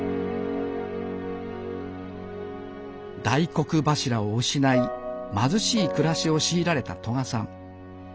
大黒柱を失い貧しい暮らしを強いられた問可さん。